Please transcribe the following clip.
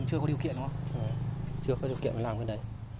chưa có điều kiện phải làm cái đấy